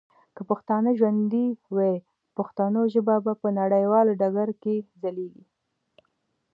که پښتانه ژوندي وه ، پښتو ژبه به په نړیوال ډګر کي ځلیږي.